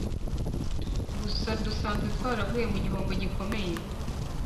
gusa dusanze twaraguye mu gihombo gikomeye